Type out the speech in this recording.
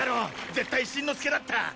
絶対しんのすけだった！